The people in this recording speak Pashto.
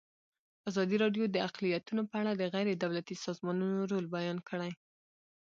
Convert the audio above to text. ازادي راډیو د اقلیتونه په اړه د غیر دولتي سازمانونو رول بیان کړی.